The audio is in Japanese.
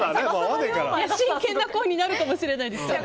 真剣な恋になるかもしれないですから！